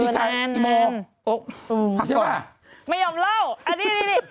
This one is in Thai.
นั่นโบ๊กผักกว่ะไม่ยอมเล่าอันนี้